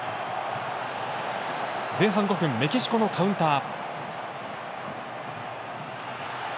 前半５分メキシコのカウンター。